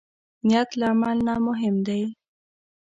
نیت له عمل نه مهم دی.